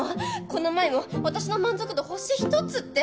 この前も私の満足度星１つって！